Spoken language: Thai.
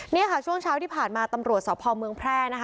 นี่ค่ะช่วงเช้าที่ผ่านมาตำรวจสพเมืองแพร่นะคะ